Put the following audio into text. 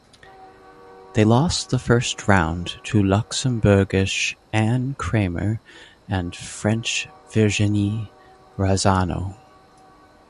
They lost in the First Round to Luxembourgish Anne Kremer and French Virginie Razzano.